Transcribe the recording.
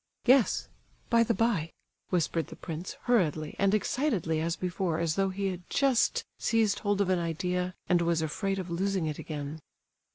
"Yes, by the by," whispered the prince, hurriedly and excitedly as before, as though he had just seized hold of an idea and was afraid of losing it again.